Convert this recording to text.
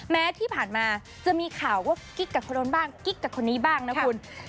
แม้ที่ผ่านมาจะมีข่าวว่ากิ๊กกับคนนู้นบ้างกิ๊กกับคนนี้บ้างนะคุณ